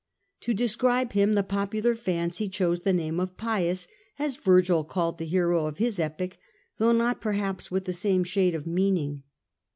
To describe him, the Why called popular fancy chose the name of Pius, as Ver Pius. gjj called the hero of his epic, though not per haps with the same shade of meaning.